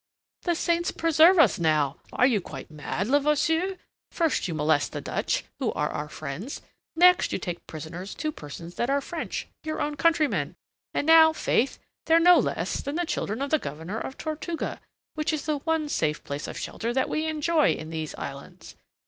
"The saints preserve us now! Are you quite mad, Levasseur? First you molest the Dutch, who are our friends; next you take prisoners two persons that are French, your own countrymen; and now, faith, they're no less than the children of the Governor of Tortuga, which is the one safe place of shelter that we enjoy in these islands...."